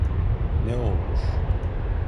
Ne olmuş?